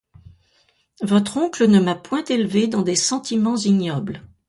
Votre oncle ne m’a point élevée dans des sentiments ignobles.